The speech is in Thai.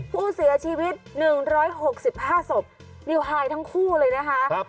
ผู้เสียชีวิต๑๖๕ศพนิวไฮทั้งคู่เลยนะคะ